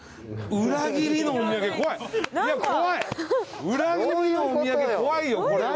うらぎりのお土産怖いよこれは。